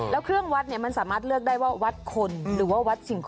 แล้วเครื่องวัดมันสามารถเลือกได้ว่าวัดคนหรือว่าวัดสิ่งของ